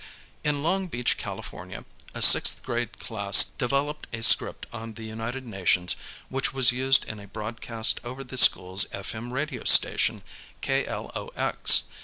ŌÖ" ŌÖ" * In Long Beach. Calif., a sixth grade class developed a script on the United Nations which was used in a broadcast over the school's FM radio station KLOX.